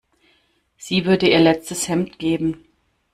Sie würde ihr letztes Hemd geben.